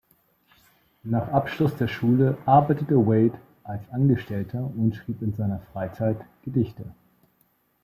Nach Abschluss der Schule arbeitete Waite als Angestellter und schrieb in seiner Freizeit Gedichte.